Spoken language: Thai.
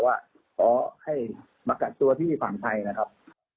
ว่าขอให้มากักตัวที่ฝั่งไทยนะครับ